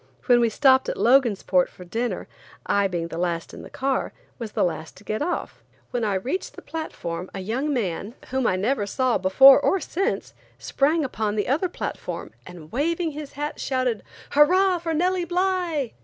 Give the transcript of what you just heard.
When we stopped at Logansport for dinner, I being the last in the car, was the last to get off. When I reached the platform a young man, whom I never saw before or since, sprang upon the other platform, and waving his hat, shouted: "Hurrah for Nellie Bly!"